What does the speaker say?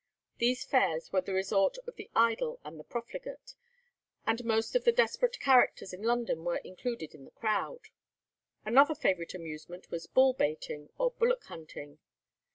These fairs were the resort of the idle and the profligate, and most of the desperate characters in London were included in the crowd. Another favourite amusement was bull baiting or bullock hunting.